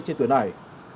trên tuyến này